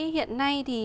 hiện nay thì